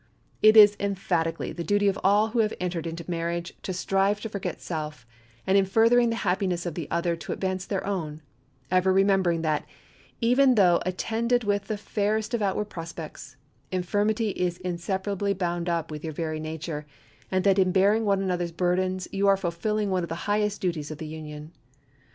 It is emphatically the duty of all who have entered into marriage to strive to forget self, and in furthering the happiness of the other to advance their own; ever remembering that, even though attended with the fairest of outward prospects, infirmity is inseparably bound up with your very nature, and that in bearing one another's burdens you are fulfilling one of the highest duties of the union.